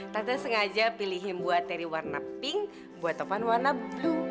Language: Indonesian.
tante sengaja pilihin buat dari warna pink buat topan warna bru